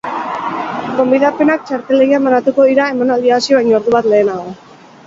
Gonbidapenak txarteldegian banatuko dira emanaldia hasi baino ordu bat lehenago.